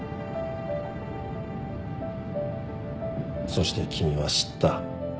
そして君は知った。